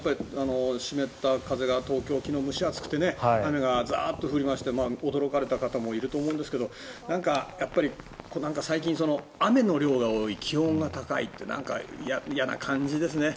湿った風が昨日、東京、蒸し暑くて雨がザーッと降りまして驚かされた方もいると思うんですがやっぱり最近雨の量が多い気温が高いってなんか嫌な感じですね。